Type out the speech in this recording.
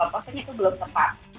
maksudnya itu belum tepat